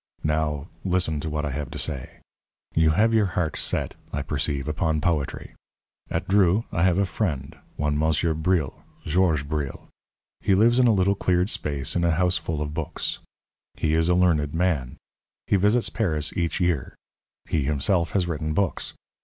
Now, listen to what I have to say. You have your heart set, I perceive, upon poetry. At Dreux, I have a friend, one Monsieur Bril Georges Bril. He lives in a little cleared space in a houseful of books. He is a learned man; he visits Paris each year; he himself has written books.